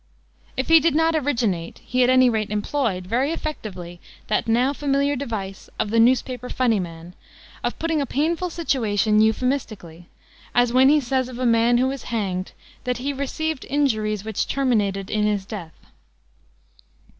If he did not originate, he at any rate employed very effectively that now familiar device of the newspaper "funny man," of putting a painful situation euphemistically, as when he says of a man who was hanged that he "received injuries which terminated in his death."